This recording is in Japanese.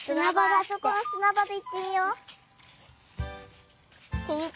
あそこのすなばでいってみよう！っていうか